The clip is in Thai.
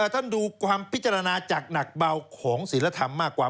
ท่านดูความพิจารณาจากหนักเบาของศิลธรรมมากกว่า